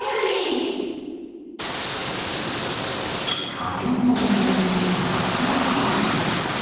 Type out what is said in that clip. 佳境を迎えている夏の甲子園。